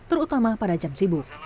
terutama pada jam sibuk